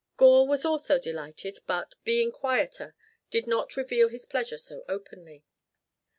Gore was also delighted, but, being quieter, did not reveal his pleasure so openly.